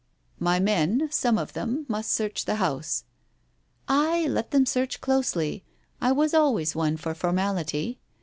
" My men — some of them — must search the house." " Ay, let them search closely 1 I was always one for formality.